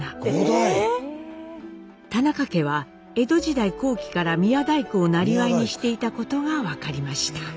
田中家は江戸時代後期から宮大工をなりわいにしていたことが分かりました。